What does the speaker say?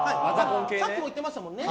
さっきも言ってましたもんね。